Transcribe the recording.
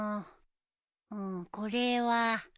うーんこれは。